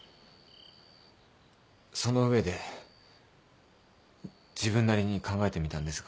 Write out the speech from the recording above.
その上で自分なりに考えてみたんですが。